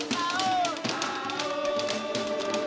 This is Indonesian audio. sahur sahur sahur sahur